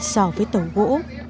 so với tàu gỗ